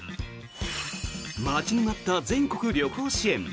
待ちに待った全国旅行支援。